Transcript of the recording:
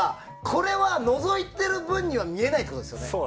気になるのがこれはのぞいている分には見えないってことですよね。